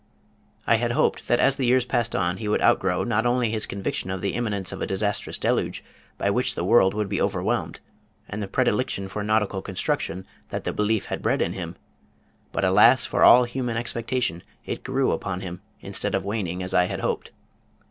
I had hoped that as the years passed on he would outgrow not only his conviction of the imminence of a disastrous deluge by which the world would be overwhelmed, and the predilection for nautical construction that the belief had bred in him, but alas for all human expectation, it grew upon him, instead of waning, as I had hoped.